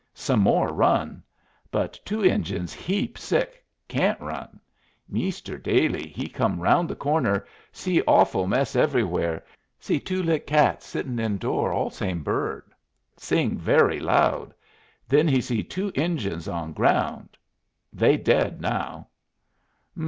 Some more run. But two Injuns heap sick; can't run. Meester Dailey he come round the corner; see awful mess everywhere; see two litt' cats sittin' in door all same bird, sing very loud. Then he see two Injuns on ground. They dead now."